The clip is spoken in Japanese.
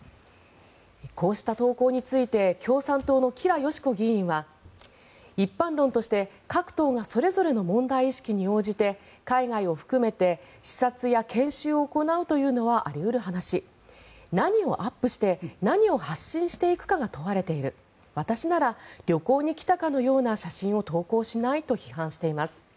こうした投稿について共産党の吉良佳子議員は一般論として、各党がそれぞれの問題意識に応じて海外を含めて視察や研修を行うというのはあり得る話何をアップして何を発信していくかが問われている私なら旅行に来たかのような写真を投稿しないと批判しています。